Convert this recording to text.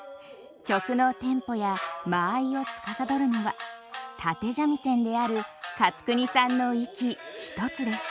曲のテンポや間合いをつかさどるのは立三味線である勝国さんの息一つです。